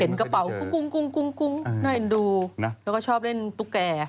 กระเป๋ากุ้งน่าเอ็นดูแล้วก็ชอบเล่นตุ๊กแก่